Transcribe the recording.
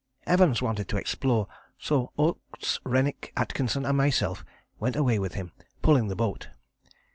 Evans wanted to explore, so Oates, Rennick, Atkinson and myself went away with him pulling the boat.